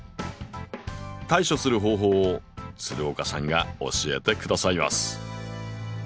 対処する方法を岡さんが教えてくださいます。